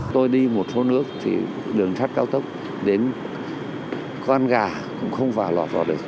tôi đi một số nước thì đường sắt cao tốc đến con gà cũng không phải lọt vào được